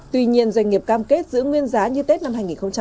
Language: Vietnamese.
tuy nhiên doanh nghiệp cam kết giữ nguyên giá như tết năm hai nghìn hai mươi